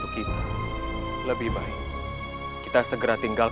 kita lanjutkan perjalanan